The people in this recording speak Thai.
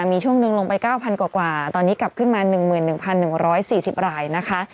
มีช่วงหนึ่งลงไป๙๐๐กว่าตอนนี้กลับขึ้นมา๑๑๑๔๐รายนะคะ